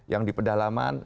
yang di pedalaman